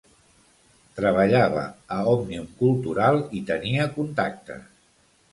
Treballava a Òmnium Cultural i tenia contactes.